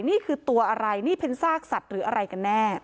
นี่คือตัวอะไรนี่เป็นซากสัตว์หรืออะไรกันแน่